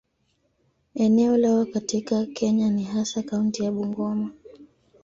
Eneo lao katika Kenya ni hasa kaunti ya Bungoma.